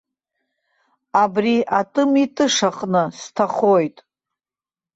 Абри атымитышаҟны сҭахоит.